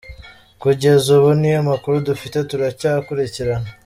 Kugeza ubu niyo makuru dufite, turacyakurikirana.”